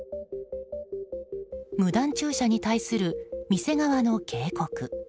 無断駐車に対する店側の警告。